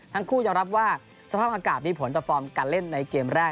ทั้งคู่ยอมรับว่าสภาพอากาศมีผลต่อฟอร์มการเล่นในเกมแรก